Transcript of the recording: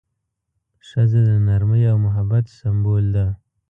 ښځه د نرمۍ او محبت سمبول ده.